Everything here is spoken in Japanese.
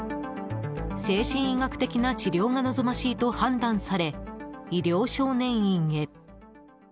精神医学的な治療が望ましいと判断され、医療少年院へ。